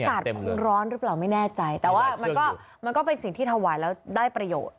อากาศคงร้อนหรือเปล่าไม่แน่ใจแต่ว่ามันก็มันก็เป็นสิ่งที่ถวายแล้วได้ประโยชน์